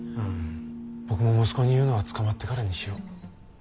僕も息子に言うのは捕まってからにしよう。